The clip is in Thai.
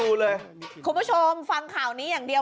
คุณผู้ชมฟังข่าวนี้อย่างเดียว